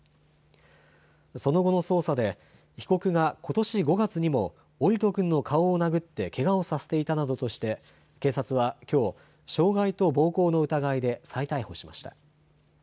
その後の捜査で被告がことし５月にも桜利斗君の顔を殴ってけがをさせていたなどとして警察はきょう傷害と暴行の疑いで再逮捕しました。